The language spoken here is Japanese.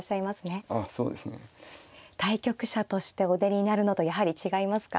あそうですね。対局者としてお出になるのとやはり違いますか？